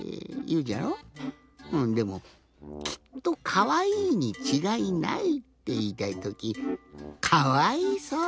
でもきっとかわいいにちがいないっていいたいときかわいそう！